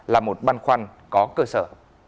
là một băn khoăn có cơ sở